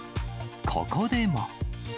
ここでも。